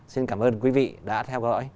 xin cảm ơn quý vị đã theo dõi